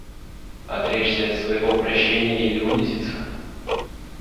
Отречься от своего прощения или унизиться?